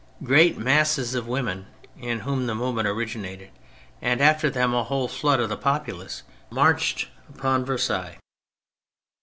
Great masses of women (in whom the movement originated), and after them a whole flood of the populace, marched upon Versailles.